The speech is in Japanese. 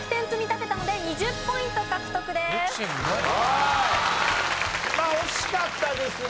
まあ惜しかったですね。